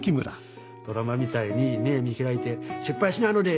ドラマみたいに目見開いて「失敗しないので！」